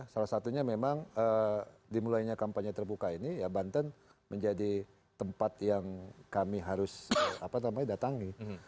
salah satunya memang dimulainya kampanye terbuka ini ya banten menjadi tempat yang kami harus datangi